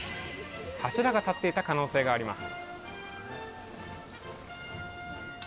柱が立っていた可能性があります。